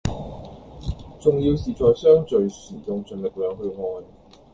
重要是在相聚時用盡力量去愛